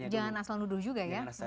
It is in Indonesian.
jangan asal nuduh juga ya